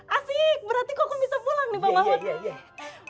asik berarti koko bisa pulang nih bang mahmud